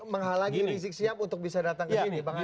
menghalangi rizieq siap untuk bisa datang ke sini